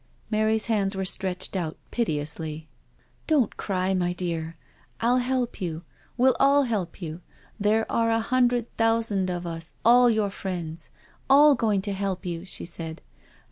Mary's hands were stretched out piteously. 282 NO SURRENDER •* Don't cry, my dear— I'll help you— we'll all help you— there are a hundred thousand of us all your, friends — ^all going to help you," she said.